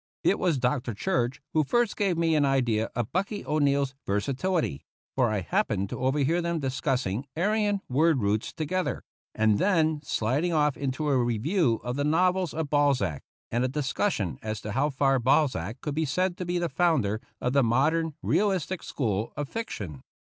It was Dr. Church who first gave me an idea of Bucky O'Neill's versatility, for I happened to overhear them discussing Aryan word roots to gether, and then sliding off into a review of the novels of Balzac, and a discussion as to how far Balzac could be said to be the founder of the modern realistic school of fiction.